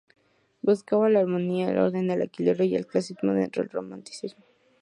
Buscaba la armonía, el orden, el equilibrio y el clasicismo dentro del romanticismo.